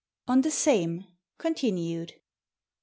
VI. ON THE SAME (CONTINUED).